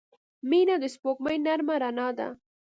• مینه د سپوږمۍ نرمه رڼا ده.